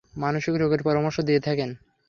মানসিক রোগের পরামর্শ দিয়ে থাকেন।